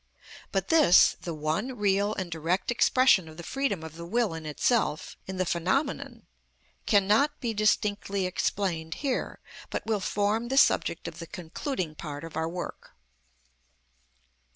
But this, the one, real, and direct expression of the freedom of the will in itself in the phenomenon, cannot be distinctly explained here, but will form the subject of the concluding part of our work.